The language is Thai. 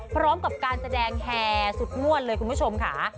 พร้อมกับการแสดงแห่สุดม่วนเลยคุณผู้ชมค่ะ